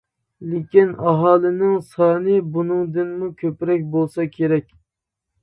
لېكىن ئاھالىنىڭ سانى بۇنىڭدىنمۇ كۆپرەك بولسا كېرەك.